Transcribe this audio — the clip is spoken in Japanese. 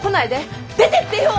出てってよ！